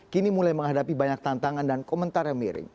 kini mulai menghadapi banyak tantangan dan komentar yang miring